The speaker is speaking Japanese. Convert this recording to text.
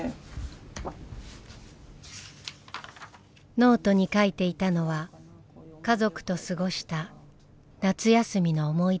ノートに書いていたのは家族と過ごした夏休みの思い出でした。